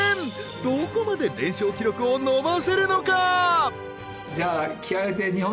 どこまで連勝記録を伸ばせるのか？